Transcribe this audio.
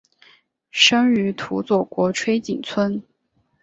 生于土佐国吹井村。